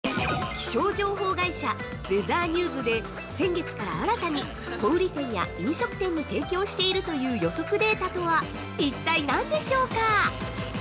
◆気象情報会社「ウェザーニューズ」で先月から新たに、小売店や飲食店に提供しているという予測データとは一体なんでしょうか？